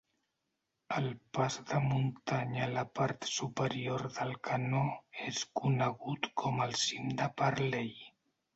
El pas de muntanya a la part superior del canó és conegut com el cim de Parley.